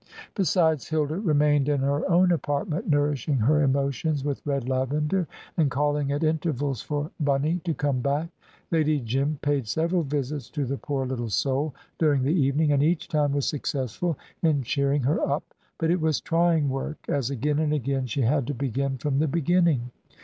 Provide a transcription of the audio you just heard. Besides, Hilda remained in her own apartment, nourishing her emotions with red lavender, and calling at intervals for "Bunny" to come back. Lady Jim paid several visits to the poor little soul during the evening, and each time was successful in cheering her up; but it was trying work, as again and again she had to begin from the beginning.